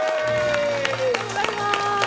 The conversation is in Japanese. おめでとうございます。